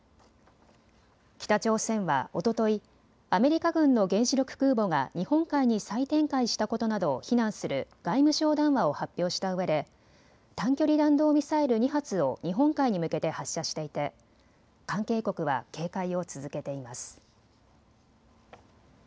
北朝鮮はおととい、アメリカ軍の原子力空母が日本海に再展開したことなどを非難する外務省談話を発表したうえで短距離弾道ミサイル２発を日本海に向けて発射していて関係国は警戒を続けています。